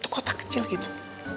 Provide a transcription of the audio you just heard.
kota kecil gitu